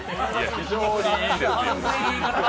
非常にいいですよ。